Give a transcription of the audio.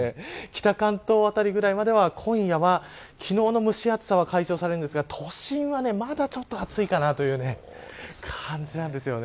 北関東辺りぐらいまでは今夜は昨日の蒸し暑さは解消されるんですが都心は、まだちょっと暑いかなという感じなんです。